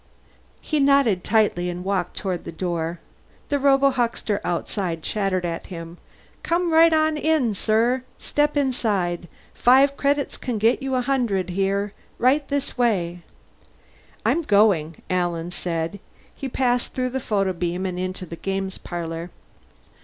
He nodded tightly and walked toward the door. The robohuckster outside chattered at him, "Come right on, sir, step inside. Five credits can get you a hundred here. Right this way." "I'm going," Alan said. He passed through the photobeam and into the games parlor.